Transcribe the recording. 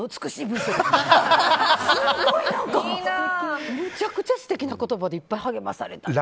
むちゃくちゃ素敵な言葉でいっぱい励まされた。